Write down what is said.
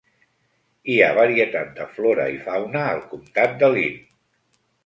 Hi ha varietat de flora i fauna al comtat de Linn.